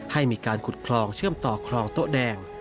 ให้มีการขุดคลองเชื่อมต่อคลองโต๊ะแดง